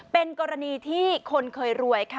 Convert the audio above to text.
เป็นกรณีที่คนเคยรวยค่ะ